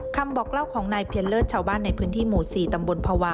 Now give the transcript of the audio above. คำบอกเล่าของนายเพียรเลิศชาวบ้านในพื้นที่หมู่๔ตำบลภาวะ